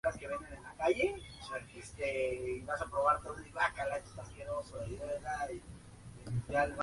Descubrió un sistema para obtener aguas subterráneas mediante el principio del sifón.